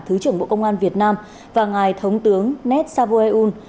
thứ trưởng bộ công an việt nam và ngài thống tướng nét savoyun